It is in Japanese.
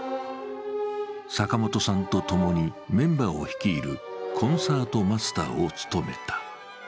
坂本さんとともにメンバーを率いるコンサートマスターを務めた。